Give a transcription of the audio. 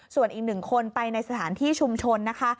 ส่วนอีกหนึ่งคนไปในสถานที่ชุมชนนะคะ